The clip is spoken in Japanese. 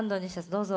どうぞ。